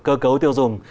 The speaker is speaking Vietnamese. cơ cấu tiêu dùng